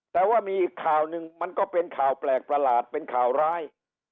แต่ว่ามีอีกข่าวหนึ่งมันก็เป็นข่าวแปลกประหลาดเป็นข่าวร้าย